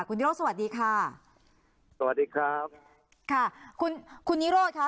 คุณนิโรธสวัสดีค่ะสวัสดีครับค่ะคุณคุณนิโรธค่ะ